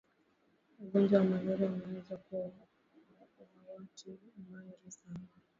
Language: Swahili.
ugonjwa wa malaria unaoweza kuua awatu wengi sana